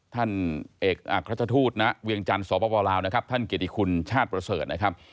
ท่านเอกอักราชทูตณเวียงจันทร์สปลาวนะครับท่านเกียรติคุณชาติประเสริฐนะครับ